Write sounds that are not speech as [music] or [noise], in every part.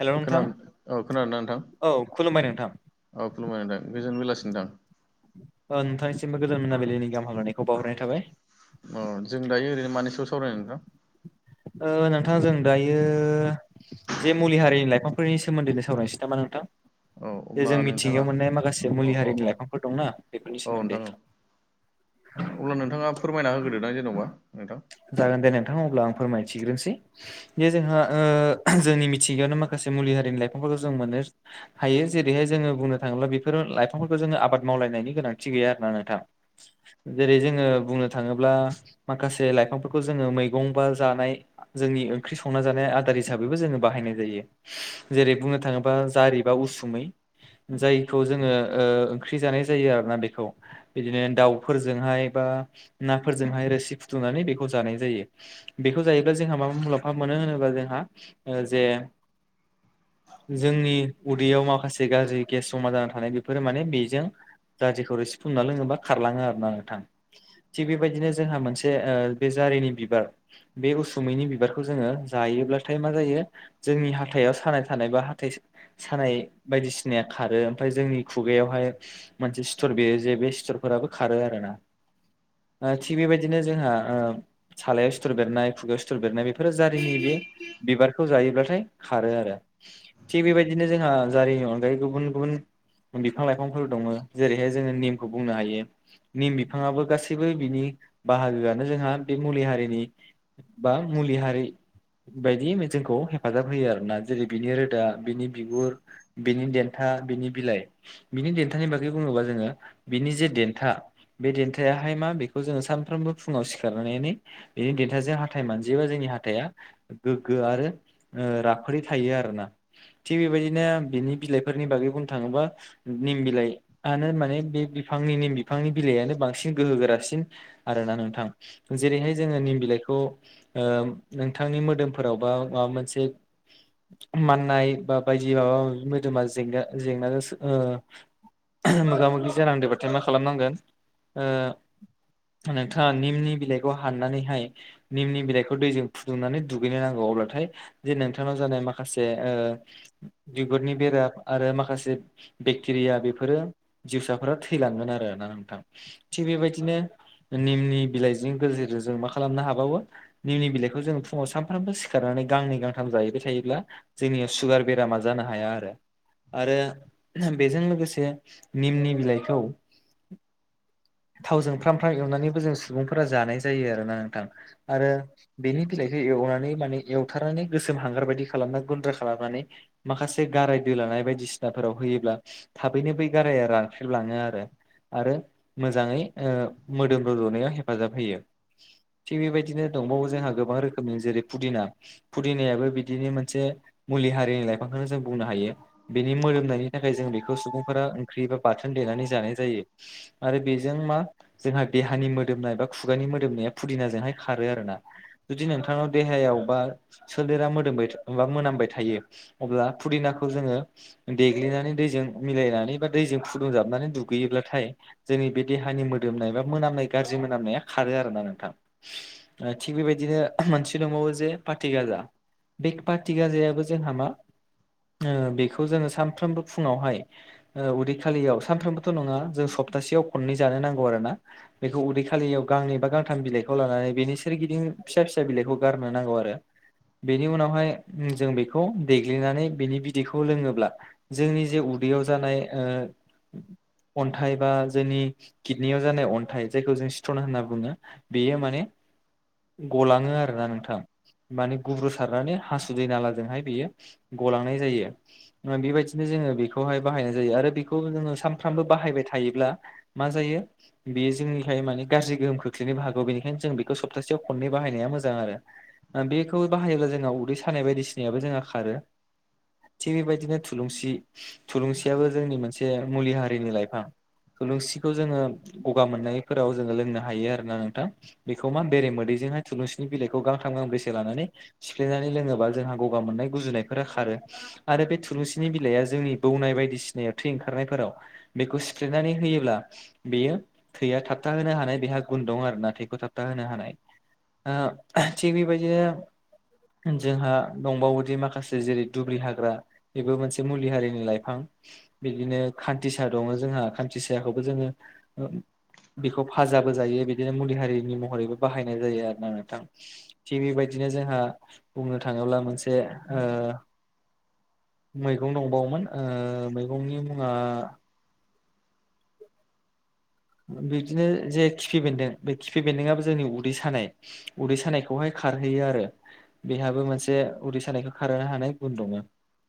हेल' नोंथां खोनादों औ खोनादों ना नोंथां औ खुलुमबाय नोंथां औ खुलुमाय नोंथां गोजोन बेलासि नोंथां ओ नोंथांनिसिमबो गोजान मोनाबिलिनि गाहाम हाल'नायखौ बावहरनाय थाबाय अ जों दायो ओरैनो मानि सायाव सावरायनो नोंथां ओ नोंथां जों दायो जे मुलि हारिनि लाइफांफोरनि सोमोन्दैनो सावरायनोसै नामा नोंथां औ जे अब्ला जों नोंथाङा मिथिंगायाव मोननाय माखासे औ मुलि औ हारिनि औ लाइफांफोर दंना बेफोरनि औ सोमोन्दै नोंथां औ अब्ला नोंथाङा फोरमायना होग्रोदोदां जेनेबा नोंथां जागोन दे नोंथां अब्ला आं फोरमायथिग्रोनोसै बे जोंहा ओ जोंनि मिथिंगायावनो माखासे मुलि हारिनि लाइफांफोरखौ जों मोनो हायो जेरैहाय जोङो बुंनो थाङोब्ला बेफोर लाइफांफोरखौ जोङो आबाद मावलायनायनि गोनांथि गैया आरो ना नोंथां जेरै जोङो बुंनो थाङोब्ला माखासे लाइफांफोरखौ जोङो मैगं बा जानाय जोंनि ओंख्रि संना जानाय आदार हिसाबैबो जोङो बाहायनाय जायो जेरै बुंनो थाङोबा जारिबा उसुमै जायखौ जोङो ओ ओंख्रि जानाय जायो आरोना बेखौ बिदिनो दाउफोरजोंहाय बा नाफोरजोंहाय रोसि फुदुंनानै बेखौ जानाय जायो बेखौ जायोैब्ला जोंहा माबा मुलाम्फा मोनो होनोबा जोंहा जे जोंनि उदैयाव माखासे गाज्रि गेस जमा जाना थानाय बेफोरो माने बेजों गाज्रिखौरै सिफुंना लोङोबा खारलाङो आरोना नोंथां थिग बेबायदिनो जोंहा मोनसे ओ बे जारिनि बिबार बे उसुमैनि बिबारखौ जोङो जायोब्लाथाय मा जायो जोंनि हाथाइआव सानाय थानाय बा हाथाइ सानाय बायदिसिनाया खारो ओमफ्राय जोंनि खुगायावहाय मोनसे सिथर बेरो जे बे सिथरफोराबो खारो आरो ना ओ थिग बेबायदिनो जोंहा ओ सालायाव सिुथुर बेरनाय खुगायाव सिथुर बेरनाय बेफोरो जारिनि बे बिबारखौ जायोब्लाथाय खारो आरो थिग बेबायदिनो जोंहा जारिनि अनगायै गुबुन गुबुन बिफां-लाइफांफोर दङ जेरैहाय जोङो नेमखौ बुंनो हायो निम बिफाङाबो गासैबो बिनि बाहागोआनो जोंहा बे मुलि हारिनि बा मुलि हारि बायदि जोंखौ हेफाजाब होयो आरोना जेरै बिनि रोदा बिनि बिगुर बिनि देन्था बिनि बिलाइ बिनि देन्थानि बागै बुङोबा जोङो बिनि जे देन्था बे देन्थायाहाय मा बेखौ जोङो सानफ्रोमबो फुङाव सिखार नानै बिनि देन्थाजों हाथथाय मानजियोबा जोंनि हाथाइआ गोग्गो आरो थिग बेबायदिनो बिनि बिलाइफोरनि बागै बुंनो थाङोबा निम बिलाइआनो माने बे बिफांनि निम बिफांनि बिलाइयानो बांसिन गोहोगोरासिन आरोना नोंथां जेरैहाय जोङो निम बिलाइखौ ओ नोंथांनि मोदोमफोराव बा माबा मोनसे माननाय बा बायदि माबा माबि मोदोमा जेंना जेंनाजों ओ मोगा मोगि जानांदोंबाथाय मा खालामनांगोन ओ नोंथाङा निमनि बिलाइखौ हाननानैहाय निमनि बिलाइखौ दैजों फुदुंनानै दुगैनो नांगौ अब्लाथाय जे नोंथांनाव जानाय माखासे बिगुरनि बेराम आरो माखासे बेक्टेरिया बेफोरो जिउसाफोरा थैलांगोन आरो ना नोंथां। थिग बेबायदिनो निमनि बिलाइजों गेजेरजों मा खालामनो हाबावो निमनि बिलाइखौ जोङो फुङाव सानफ्रामबो सिखारनानै गांनै गांथाम जाहैबाय थायोब्ला जोंनियाव सुगार बेरामा जानो हाया आरो आरो बेजों लोगोसे निमनि बिलाइखौ थावजों फ्राम फ्राम एवनानैबो जों सुबुंफोरा जानाय जायो आरोना नोंथां आरो बेनि बिलाइखौ एवनानै माने एवथारनानै गोसोम हांगार बायदि खालामना गुन्द्रा खालामनानै माखासे गाराय दोलानाय बायदिसिनाफोराव होयोब्ला थाबैनो बै गाराया रानफिनलाङो आरो आरो मोजाङै मोदोम रज'नायाव हेफाजाब होयो। थिग बेबायदिनो दंबावो जोंहा गोबां रोखोमनि जेरै पुदिना फुदिनायाबो बिदिनो मोनसे मुलि हारिनि लाइफांखौनो जों बुंनो हायो। बेनि मोदोमनायनि थाखाय जों बेखौ सुबुंफोरा ओंख्रि बा बाथोन देनानै जानाय जायो। आरो बेजों मा जोंहा देहानि मो मोदोमनाय बा खुगानि मोदोमनाया फुदिनाजोंहाय खारो आरोना। जुदि नोंथांनाव देहायाव बा सोलेरा मोदोमबाय बा मोनामबाय थायो अब्ला पुदिनाखौ जोङो देग्लिनानै दैजों मिलायनानै बा दैजों फुदुंजाबनानै दुगैयोब्लाथाय जोंनि बे देहानि मोदोमनाय बा मोनामनाय गाज्रि मोनामनाया खारो आरोना नोंथां। थिग बेबायदिनो मोनसे दंबावो जे पाथिगाजा बे पाथिगाजायाबो जोंहा मा बेखौ जोङो सानफ्रोमबो फुङावहाय उदै खालियाव सानफ्रोमबोथ' नङा जों सप्तासेयाव खननै जानो नांगौ आरो ना? बेखौ उदै खालियाव गांनै बा गांथाम बिलाइखौ लानानै बेनि सोरगिदिं फिसा फिसा बिलाइखौ गारनो नांगौ आरो बेनि उनावहाय जों बेखौ देग्लिनानै बिनि बिदैखौ लोङोब्ला जोंनि जे उदैयाव जानाय अन्थाइ बा जोंनि किदनियाव जानाय अन्थाइ जायखौ जों सिथन होनना बुङो। बेयो माने गलाङो आरोना नोंथां? माने गुब्रु सारनानै हासुदै नालाजोंहाय बियो गलांनाय जायो। बेबायदिनो जोङो बेखौहाय बाहायनाय जायो आरो बेखौ जोङो सानफ्रामबो बाहायबाय थायोब्ला मा जायो बेयो जोंनि फ्राय माने गाज्रि गोहोम खोख्लैनोबो हागौ बेनिखायनो जों बेखौ सप्थासेयाव खननै बायनाया मोजां आरो बेखौ बाहायोब्ला जोंहा उदै सानाय बायदिसिनायाबो जोंहा खारो। थिग बेबायदिनो थुलुंसि थुलुंसियाबो जोंनि मोनसे मुलि हारिनि लाइफां। थुलुंसिखौ जोङो गगा मोननायफोराव जोङो नो हायो आरो ना नोंथां बेखौ मा बेरे मोदैजोंहाय थुलुंसिनि बिलाइखौ गांथाम गांब्रैसो लानानै सिफ्लेनानै लोङोबा जोंहा गगा मोननाय गुजुनायफोरा खारो आरो बे थुलुंसिनि बिलाइआ जोंनि बौनाय बायदिसिनायाव थै ओंखारनायफोराव बेखौ सिफ्लेनानै होयोब्ला बेयो थैया था थाबथा होनो हानाय बेहा गुन दं आरो नाथायखौ थाबथा होनो हानाय आ थिग बेबायदिनो जोंहा दंबावोदि माखासे जेरै दुब्लि हाग्रा बेबो मोनसे मुलि हारिनि लाइफां। बिदिनो खान्थिसा दङ जोंहा खान्थिसाखौबो जोङो बेखौ फाजाबो जायो बिदिनो मुलि हारिनि महरैबो बाहायनाय जायो आरो ना नोंथां। थिग बेबायदिनो जोंहा बुंनो थाङोब्ला मोनसे मैगं दंबावोमोन मैगंनि मुङा बिबदिनो जे खिफि बेन्दों बे खिफि बेन्दोंआबो जोंनि उदै सानाय उदै सानायखौहाय खारहैयो आरो बेहाबो मोनसे उदैसानायखौ खारहोननो हानाय गुन दङ'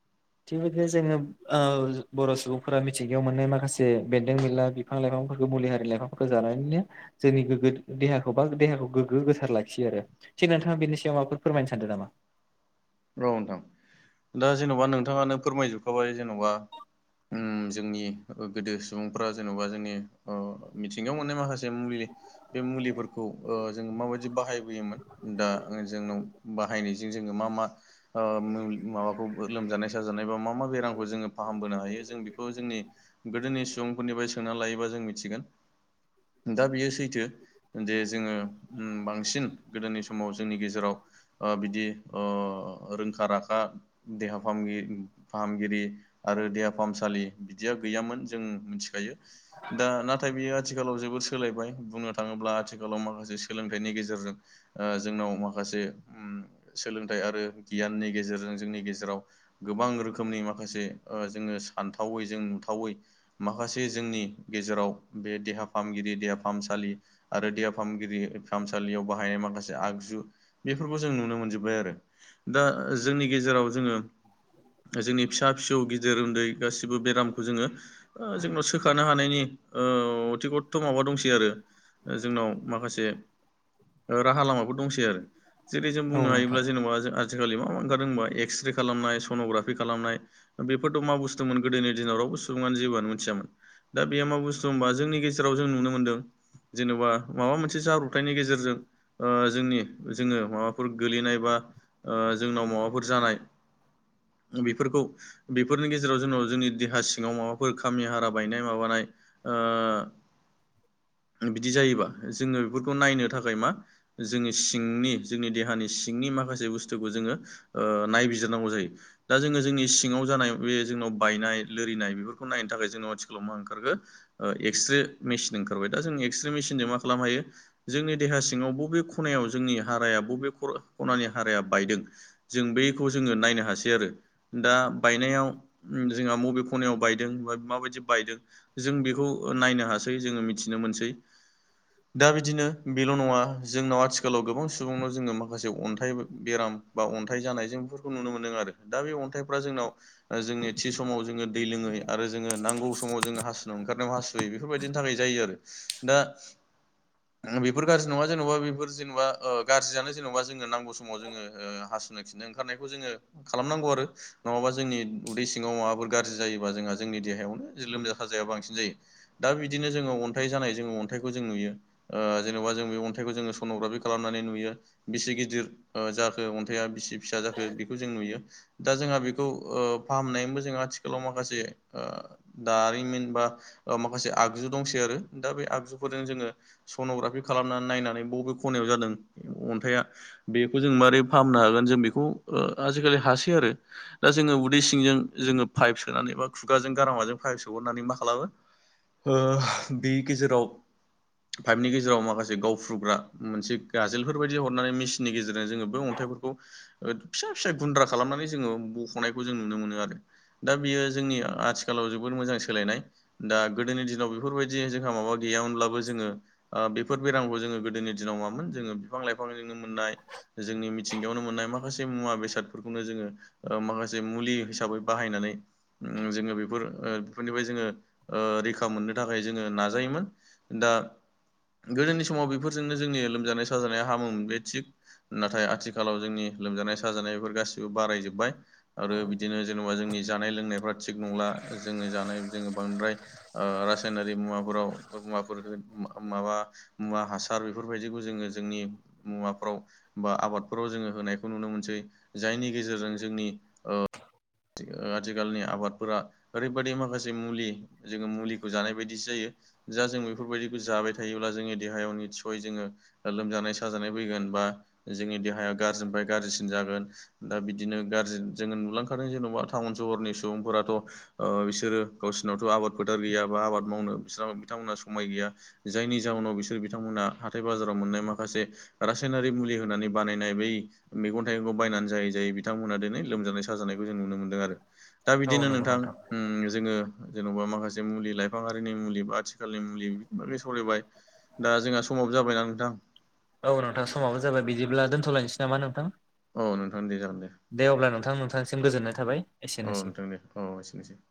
[inaudible] थिगबायदिनो जोङो ओ बर' सुबुंफोरा मिथिंगायाव मोननाय माखासे बेन्दों बिनला बिफां लाइफांफोरखौ मुलि हारि लाइफांफोरखौ जानानैनो जोंनि गोग्गो देहाखौ बा देहाखौ गोग्गो गोसार लाखियो आरो थिग नोंथाङा बेनि सायाव माबाफोर फोरमायनो सानदों नामा औ नोंथां दा जेन'बा नोंथाङानो फोरमायजोबखाबाय जेन'बा उम जोंनि गोदो सुबुंफ्रा जेन'बा जोंनि ओ मिथिंगायाव मोननाय माखासे मुलि बे मुलिफोरखौ ओ जोङो माबायदि बाहायबोयोमोन दा जोंनाव बाहायनायजों जोङो मा मा ओ माबाखौ लोमजानाय साजानाय बा मा मा बेरामखौ जोङो फाहामबोनो हायो जों बेखौ जोंनि गोदोनि सुबुंफोरनिफ्राय सोंना लायोबा जों मिथिगोन दा बियो सैथो जे जोङो उम बांसिन गोदोनि समाव जोंनि गेजेराव आ बिदि ओ रोंखा राखा देहा फाहाम फाहामगिरि आरो देहा फाहामसालि बिदिया गैयामोन जों मिथिखायो दा नाथाय बियो आथिखालाव जोबोद सोलायबाय बुंनो थाङोब्ला आथिखालाव माखासे सोलोंथाइनि गेजेरजों ओ जोंनाव माखासे सोलोंथाइ आरो गियाननि गेजेरजों जोंनि गेजेराव गोबां रोखोमनि माखासे जोङो सानथावै जों नुथावै माखासे जोंनि गेजेराव बे देहा फाहामगिरि देहा फाहामसालि आरो देहा फाहामगिरि फाहामसालियाव बाहायनाय माखासे आगजु बेफोरखौ जों नुनो मोनजोब्बाय आरो दा जोंनि गेजेराव जोङो जोंनि फिसा फिसौ गिदिर उन्दै गासिबो बेरामखौ जोङो जोंनाव सोखानो हानायनि अथिकतथ' माबा दंसै आरो जोंनाव माखासे राहा लामाफोर दंसै आरो जेरै जों औ बुंनो नोंथां हायोब्ला जेन'बा जों आजिखालि मा मा ओंखारदों होनबा एक्सरे खालामनाय सन'ग्राफि खालामनाय बेफोरथ' मा बुस्थुमोन गोदोनि दिनाव रावबो सुबुंआनो जेबोआनो मिथियामोन दा बे मा बुस्थु होनबा जोंनि गेजेराव जों नुनो मोन्दों जेनेबा माबा मोनसे जाब्रबथायनि गेजेरजों ओ जोंनि जोङो माबाफोर गोलैनाय बा ओ जोंनाव माबाफोर जानाय बेफोरखौ बेफोरनि गेजेराव जोंनाव जोंनि देहा सिङाव माबाफोर खामि हारा बायनाय माबानाय ओ बिदि जायोबा जोङो बेफोरखौ नायनो थाखाय मा जोंनि सिंनि जोंनि देहानि सिंनि माखासे बुस्थु थुखौ जोङो ओ नायबिजिरनांगौ जायो। दा जोङो जोंनि सिङाव जानाय बे जोंनाव बायनाय लोरिनाय बेफोरखौ नायनो थाखाय जोंनाव आथिखालाव मा ओंखारखो एक्सरे मेसिन ओंखारबाय दा जों एक्सरे मेसिनजों मा खालामनो हायो जोंनि देहा सिङाव बबे खनायाव जोंनि हाराया बबे खनानि हाराया बायदों जों बैखौ जोङो नायनो हासै आरो दा बायनायाव जोंहा बबे खनायाव बायदों ब माबायदि बायदों जों बेखौ नायनो हासै जोङो मिथिनो मोनसै दा बिदिनो बेल' नङा जोंनाव आथिखालाव गोबां सुबुंनाव जोङो माखासे अन्थाइब बेराम बा अन्थाइ जानाय जों बेफोरखौ नुनो मोनदों आरो दा बे अन्थाइफ्रा जोंनाव जोंनि थि समाव जोङो दै लोङै आरो जोङो नांगौ समाव जोङो हासुनानो ओंखारनायाव हासुयै बेफोरबायदिनि थाखाय जायो आरो दा बेफोर गाज्रि नङा जेन'बा बेफोर जेन'बा ओ गाज्रियानो जेनेबा जोंङो नांगौ समाव समाव जोङो ओ हासुनो खिनो ओंखारनायखौ जोङो खालामनांगौ आरो नङाबा जोंनि उदै सिङाव माबाफोर गाज्रि जायोबा जोंहा जोंनि देहायावनो लोमजा साजाया बांसिन जायो दा बिदिनो जोङो अन्थाइ जानाय जोङो अन्थाइखौ जों नुयो ओ जेन'बा जों बे अन्थाइखौ जोङो सन'ग्राफि खालामनानै नुयो बेसे गिदिर ओ जाखो अन्थाइआ बिसि फिसा जाखो बेखौ जों नुयो दा जोंहा बेखौ ओ फाहामनायबो जोंहा आथिखालाव माखासे ओ दारिमिन बा माखासे आगजु दंसै आरो दा बे आगजुफोरजों जोङो सन'ग्राफि खालामनानै नायनानै बबे खनायाव जादों अन्थाइया बेखौ जों माबारै फाहामनो हागोन जों बेखौ ओ आजिखालि हासै आरो। दा जोङो उदै सिंजों जोङो पाइप सोनानै बा खुगाजों गारामाजों पाइप सोहरनानै मा खालामो ओ बे गेजेराव फाइभनि गेजेराव माखासे गावफ्रुग्रा मोनसे गाजोलफोर बायदि हरनानै मिस नि गेजेरजों जोङो बे अन्थाइफोरखौ ओ फिसा फिसा गुन्द्रा खालामनानै जोङो बख'नायखौ जों नुनो मोनो आरो। दा बियो जोंनि आथिखालाव जोबोद मोजां सोलायनाय। दा गोदोनि दिनाव बेफोरबायदि जोंहा माबा गैयामोनब्लाबो जोङो ओ बेफोर बेरामखौ जोङो गोदोनि दिनाव मामोन जोङो बिफां लाइफांजोंनो मोननाय जोंनि मिथिंगायावनो मोननाय माखासे मुवा बेसादफोरखौनो जोङो ओ माखासे मुलि हिसाबै बाहायनानै ओ जोङो बेफोर ओ बेफोरनिफ्राय जोङो ओ रैखा मोननो थाखाय जोङो नाजायोमोन दा गोदोनि समाव बेफोरजोंनो जोंनि लोमजानाय साजानाया हामोम बे थिग नाथाय आथिखालाव जोंनि लोमजानाय साजानाय बेफोर गासिबो बारायजोबबाय। आरो बिदिनो जेनेबा जोंनि जानाय लोंनायफ्रा थिग नंला जोङो जानाय जोङो बांद्राय ओ रासायनारि मुवाफोराव मुवाफोर माबा मुवा हासार बेफोरबायदिखौ जोङो जोंनि मुवाफ्राव बा आबादफोराव जोङो होनायखौ नुनो मोनसै जायनि गेजेरजों जोंनि ओ ओ आथिखालनि आबादफोरा ओरैबायाददि माखासे मुलि जोङो मुलिखौ जानाय बायदिसो जायो। जा जों बेफोरबायदिखौ जाबाय थायोब्ला जोंनि देहायाव निस्सय जोङो लोमजानाय साजानाय फैगोन बा जोंनि देहाया गाज्रिनिफ्राय गाज्रिसिन जागोन। दा बिदिनो गाज्रि जोङो नुलांखादों जेन'बा टाउन सहरनि सुबुंफोराथ' ओ बिसोरो गावसोरनावथ' आबाद फोथार गैया बा आबाद मावनो बिस बिथांमोनहा समाय गैया जायनि जाहनाव बिसोर बिथांमोनहा हाथाय बाजाराव मोननाय माखासे रासायनारि मुलि होनानै बानायनाय बै मैगं थाइगंखौ बायनानै जायै जायै बिथांमोनहा दिनै लोमजानाय साजानायखौ जों नुनो मोन्दों आरो। दा औ बिदिनो नंगौ नोंथां ओम जोङो जेन'बा माखासे मुलि लाइफाङारिनि मुलि बा आथिखालनि मुलि बागै सावरायबाय। दा जोंहा समाव जाबायना नोंथां। औ नोंथां समाबो जाबाय बिदिब्ला दोनथ'लायनोसै नामा नोंथां? औ नोंथां दे जागोन दे अब्ला नोंथां नोंथांनिसिम गोजोननाय थाबाय एसेनोसै। अ एसेनोसै।